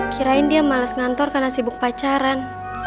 kirain dia males ngantor karena sibuk pacaran